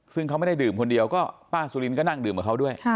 ซึ่งเขาไม่ได้ดื่มคนเดียวก็ป้าสุรินก็นั่งดื่มกับเขาด้วย